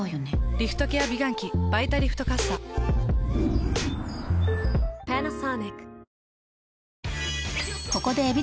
リフトケア美顔器「バイタリフトかっさ」。